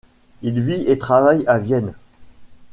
Il vit et travaille à Vienne.